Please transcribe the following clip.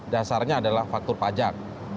dasarnya adalah faktur pajak